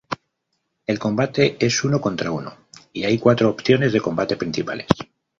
El combate es uno contra uno, y hay cuatro opciones de combate principales.